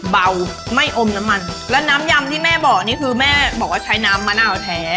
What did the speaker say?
เบาไม่อมน้ำมันแล้วน้ำยำที่แม่บอกนี่คือแม่บอกว่าใช้น้ำมะนาวแท้